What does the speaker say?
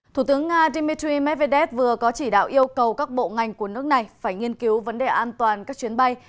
thủ tướng nga dmitry medvedev vừa có chỉ đạo yêu cầu các bộ ngành của nước này phải nghiên cứu vấn đề an toàn các chuyến bay